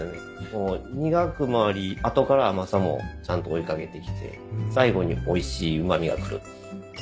こう苦くもあり後から甘さもちゃんと追い掛けてきて最後においしいうま味が来る。